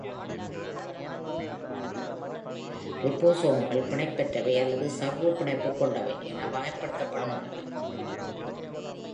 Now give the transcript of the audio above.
ரிபோசோம்கள் "பிணைப்பற்றவை" அல்லது "சவ்வு-பிணைப்பு கொண்டவை" என வகைப்படுத்தப்படுகின்றன.